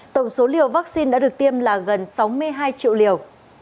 tổng số liều vaccine đã được tiêm là gần sáu mươi hai triệu liều